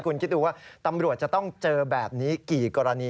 คุณคิดดูว่าตำรวจจะต้องเจอแบบนี้กี่กรณี